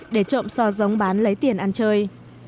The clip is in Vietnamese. để trộm xó giống bán lấy tiền ăn chơi